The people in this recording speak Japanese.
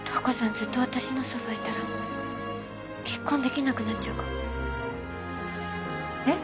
ずっと私のそばいたら結婚できなくなっちゃうかもえっ？